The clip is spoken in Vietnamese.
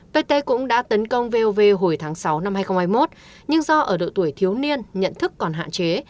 pt cũng đã tấn công vov hồi tháng sáu năm hai nghìn hai mươi một nhưng do ở độ tuổi thiếu niên nhận thức còn hạn chế